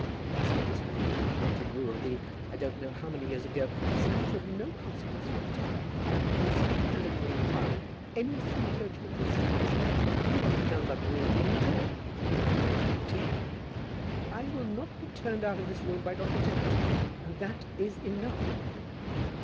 As for his having been appointed rural dean I don't know how many years ago, it is a matter of no consequence whatever. In such a preliminary inquiry any three clergymen will suffice. It need not be done by the rural dean at all." "My dear!" "I will not be turned out of this room by Dr. Tempest; and that is enough."